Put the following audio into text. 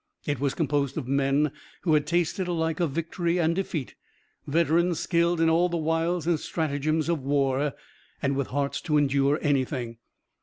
It was composed of men who had tasted alike of victory and defeat, veterans skilled in all the wiles and stratagems of war, and with hearts to endure anything.